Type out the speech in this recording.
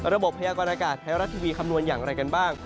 พยากรณากาศไทยรัฐทีวีคำนวณอย่างไรกันบ้าง